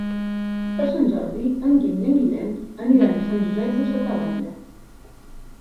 Per Sant Jordi en Guim i en Guillem aniran a Sant Josep de sa Talaia.